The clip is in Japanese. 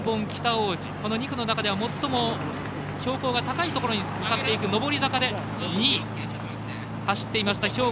２区の中では最も標高の高いところに向かっていく上り坂で２位を走っていました